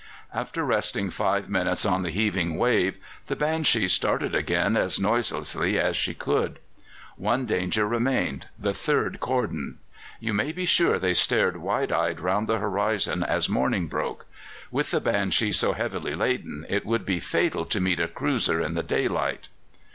After resting five minutes on the heaving wave, the Banshee started again as noiselessly as she could. One danger remained the third cordon. You may be sure they stared wide eyed round the horizon as morning broke. With the Banshee so heavily laden it would be fatal to meet a cruiser in the daylight.